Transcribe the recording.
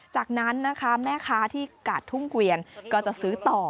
จากนั้นนะคะแม่ค้าที่กาดทุ่งเกวียนก็จะซื้อต่อ